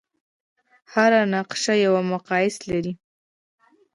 هره نقشه یو مقیاس لري.